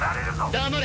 黙れ！